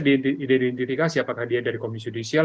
diidentifikasi apakah dia dari komisi judisial